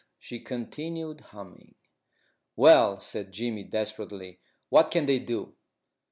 She continued humming. "Well," said Jimmy, desperately, "what can they do?"